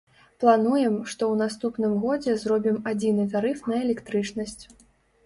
Плануем, што ў наступным годзе зробім адзіны тарыф на электрычнасць.